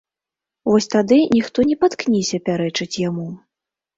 Вось тады ніхто не паткніся пярэчыць яму.